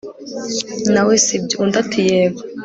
nawesibyo undi ati yego